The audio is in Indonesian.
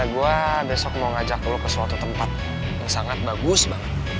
gue besok mau ngajak lo ke suatu tempat yang sangat bagus banget